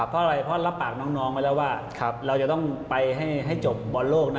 เพราะรับปากน้องไปแล้วว่าเราจะต้องไปให้จบบอร์ดโลกนะ